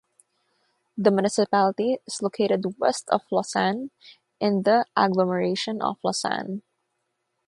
The municipality is located west of Lausanne in the agglomeration of Lausanne.